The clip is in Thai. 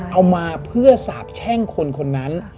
เอามาเพื่อสาบแช่งคนคนนั้น